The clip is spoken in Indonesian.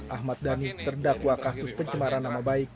ahmad dhani terdakwa kasus pencemaran nama baik